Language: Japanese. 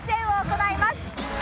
行います！